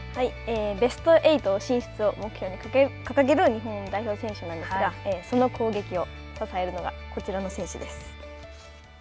ベスト８進出を目標に掲げる日本代表なんですがその攻撃を支えるのがこちらの選手です。